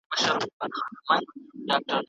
ماشومان په سهارنۍ هوا کې ډېر تازه وي.